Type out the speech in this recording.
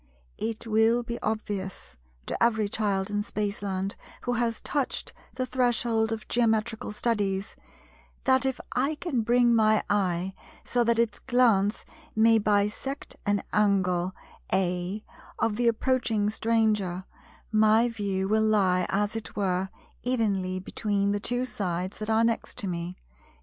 It will be obvious, to every child in Spaceland who has touched the threshold of Geometrical Studies, that, if I can bring my eye so that its glance may bisect an angle (A) of the approaching stranger, my view will lie as it were evenly between the two sides that are next to me (viz.